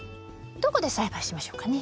どこで栽培しましょうかね。